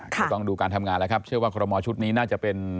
ก็ต้องดูการทำงานแล้วครับเชื่อว่าคอรมอลชุดนี้น่าจะเป็น